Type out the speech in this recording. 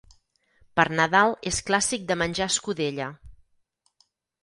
Per Nadal és clàssic de menjar escudella.